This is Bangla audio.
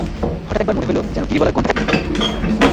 হঠাৎ একবার মনে হইল যেন গিরিবালার কন্ঠ শুনিতে পাইলেন!